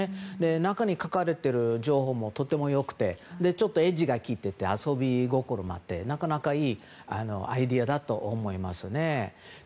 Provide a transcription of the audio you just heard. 中に書かれてる情報もとても良くてちょっとエッジが効いていて遊び心もあって、なかなかいいアイデアだと思いますね。